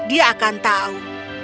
dia akan tahu